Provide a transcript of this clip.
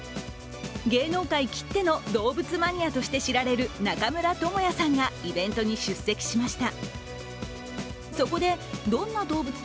芸能界きっての動物マニアとして知られる中村倫也さんがイベントに出席しました。